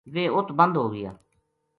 ویہ ات بند ہوگیا